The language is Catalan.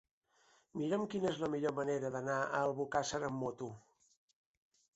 Mira'm quina és la millor manera d'anar a Albocàsser amb moto.